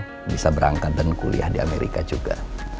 kalau mel bisa berangkat dan kuliah di amerika juga